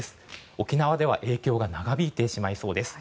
沖縄では影響が長引いてしまいそうです。